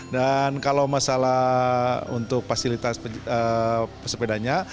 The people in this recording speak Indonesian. dan kalau masalah untuk fasilitas pesepedanya